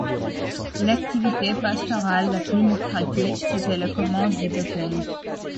L'activité pastorale la plus lucrative était le commerce de bétail.